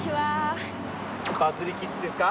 バズりキッズですか？